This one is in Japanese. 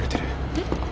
えっ？